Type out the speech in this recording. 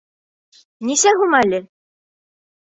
Нисә һум әле?